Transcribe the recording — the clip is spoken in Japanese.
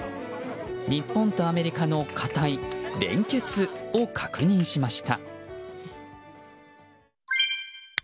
日本とアメリカの固い連結を確認しました。